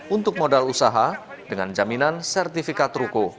untuk modal usaha dengan jaminan sertifikat ruko